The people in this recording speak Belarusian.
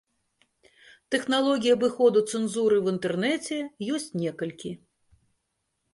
Тэхналогій абыходу цэнзуры ў інтэрнэце ёсць некалькі.